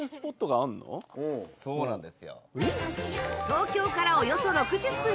そうなんですよ。